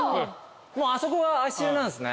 もうあそこが足湯なんですね。